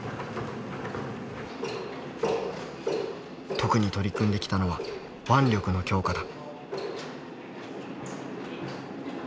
特に取り組んできたのは腕力の強化だ。